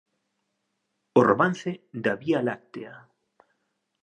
O romance da Vía Láctea